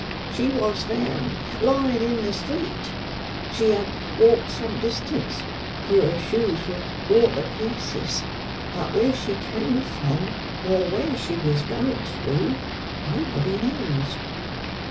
She was found lying in the street. She had walked some distance, for her shoes were worn to pieces; but where she came from, or where she was going to, nobody knows."